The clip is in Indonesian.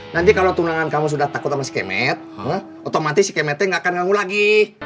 nanti kalau tunangan kamu sudah takut sama si kemet otomatis skemate gak akan nganggu lagi